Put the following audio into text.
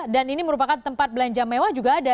dan ini merupakan tempat belanja mewah juga ada